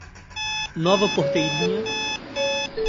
Nova Porteirinha